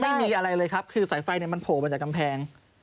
ไม่มีอะไรเลยครับคือสายไฟมันโผล่มาจากกำแพง